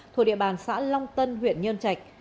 thuộc địa bàn xã long tân huyện nhân trạch